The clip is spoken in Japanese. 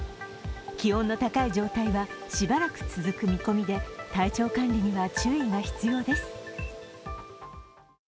気温の高い状態はしばらく続く見込みで、体調管理には注意が必要です。